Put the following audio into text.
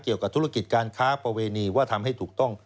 เกี่ยวกับธุรกิจการค้าประเวณีว่าทำให้ถูกต้อง